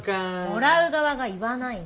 もらう側が言わないの。